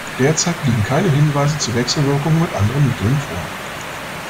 Derzeit liegen keine Hinweise zu Wechselwirkungen mit anderen Mitteln vor.